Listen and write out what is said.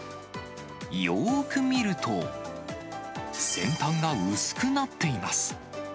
よーく見ると、先端が薄くなっています。